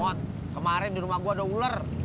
oh kemarin di rumah gue ada ular